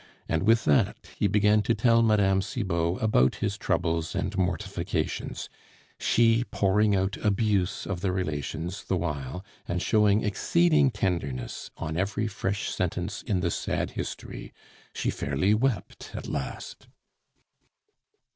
And with that he began to tell Mme. Cibot about his troubles and mortifications, she pouring out abuse of the relations the while and showing exceeding tenderness on every fresh sentence in the sad history. She fairly wept at last.